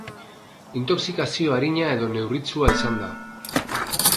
Intoxikazioa arina edo neurritsua izan da.